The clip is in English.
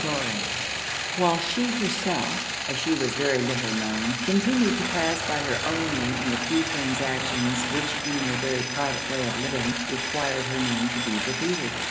Laure while she herself, as she was very little known, continued to pass by her own name in the few transactions which in their very private way of living required her name to be repeated.